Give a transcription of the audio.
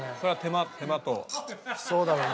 そうだよ。